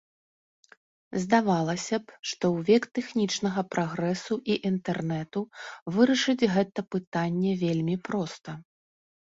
Здавалася б, што ў век тэхнічнага прагрэсу і інтэрнэту вырашыць гэта пытанне вельмі проста.